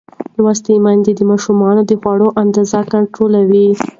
لوستې میندې د ماشومانو د خوړو اندازه کنټرولوي.